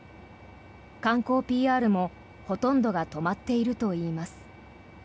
観光ＰＲも、ほとんどが止まっているといいます。